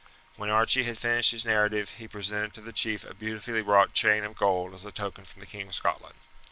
When Archie had finished his narrative he presented to the chief a beautifully wrought chain of gold as a token from the King of Scotland.